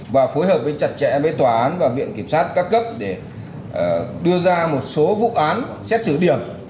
và phối hợp với chặt chẽ với tòa án và viện kiểm sát các cấp để đưa ra một số vụ án xét xử điểm